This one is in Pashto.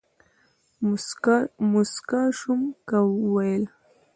موسکا شوم ، کا ويل ،